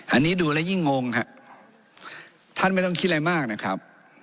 อันนี้ดูแล้วยิ่งงงฮะท่านไม่ต้องคิดอะไรมากนะครับ